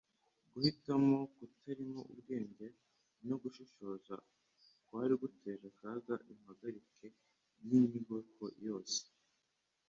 Guhitamo kutarimo ubwenge no gushishoza kwari guteza akaga impagarike y'inyubako yose.